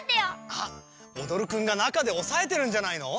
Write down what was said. あっおどるくんがなかでおさえてるんじゃないの？